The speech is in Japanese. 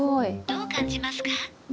「どう感じますか？」。